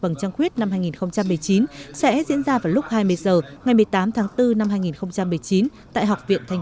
vầng trăng khuyết năm hai nghìn một mươi chín sẽ diễn ra vào lúc hai mươi h ngày một mươi tám tháng bốn năm hai nghìn một mươi chín tại học viện thanh